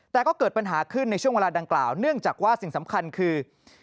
แต่ก็เกิดปัญหาขึ้นในช่วงเวลาดังกล่าวเนื่องจากว่าสิ่งสำคัญคือ